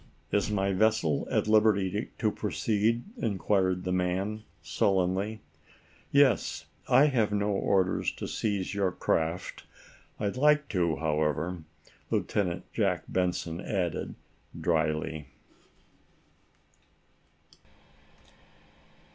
"Is my vessel at liberty to proceed?" inquired the man, sullenly. "Yes; I have no orders to seize your craft. I'd like to, however," Lieutenant Jack Benson added, dryly.